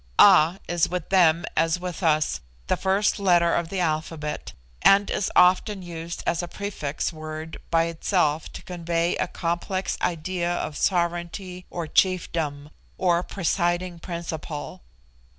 A is with them, as with us, the first letter of the alphabet, and is often used as a prefix word by itself to convey a complex idea of sovereignty or chiefdom, or presiding principle.